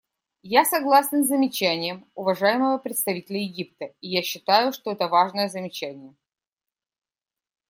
Я согласен с замечанием уважаемого представителя Египта, и я считаю, что это важное замечание.